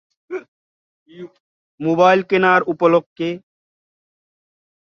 বাড়ীর চারিদিকে পরিখা কেটে প্রতিরোধের ব্যবস্থা করেছিলেন তিনি।